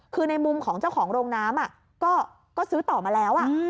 คือในมุมของเจ้าของโรงน้ำก็ซื้อต่อมาแล้ว